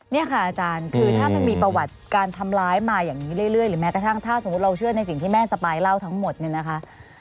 เนี่ยค่ะอาจารย์คือถ้ามันมีประวัติการทำร้ายมาอย่างนี้เรื่อยหรือแม้กระทั่งถ้าสมมุติเราเชื่อในสิ่งที่แม่สปายเล่าทั้งหมดเนี่ยนะคะ